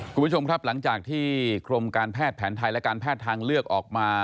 คุณผู้ชมครับหลังจากที่กรมการแพทย์แผนไทยและการแพทย์ทางเลือกออกมา